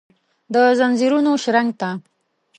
دځنځیرونو شرنګ ته ،